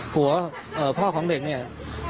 พ่อของเด็กเนี่ย